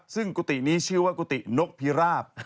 ซึ่งกุฏินี้ชื่อว่ากุฏินกพิราบ